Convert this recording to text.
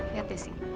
lihat ya sih